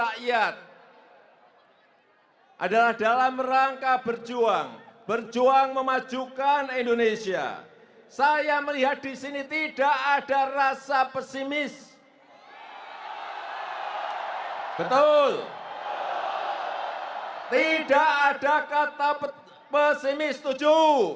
kata kata pesimis setuju